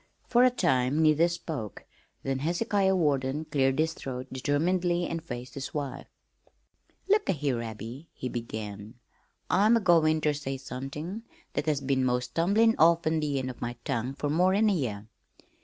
For a time neither spoke, then Hezekiah Warden cleared his throat determinedly and faced his wife. "Look a' here, Abby," he began, "I'm agoin' ter say somethin' that has been 'most tumblin' off'n the end of my tongue fer mor'n a year.